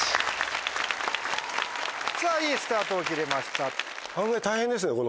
さぁいいスタートを切れました。